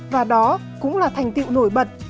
và đó cũng là thành tiệu nổi bật